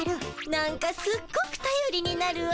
なんかすっごくたよりになるわ。